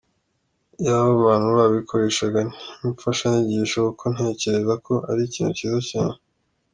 Iyaba abantu babikoreshaga nk’imfashanyigisho, kuko ntekereza ko ari ikintu cyiza cyane.